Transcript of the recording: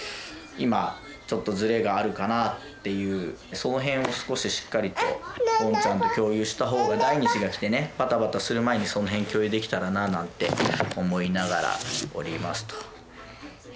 その辺を少ししっかりとゴンちゃんと共有した方が第二子が来てねバタバタする前にその辺共有できたらななんて思いながらおりますと。